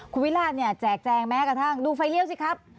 คุณวิราชเนี่ยแจกแจงแม้กระทั่งดูไฟเลี้ยวสิครับ